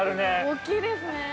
◆大きいですね。